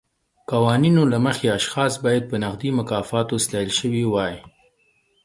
قوانینو له مخې اشخاص باید په نغدي مکافاتو ستایل شوي وای.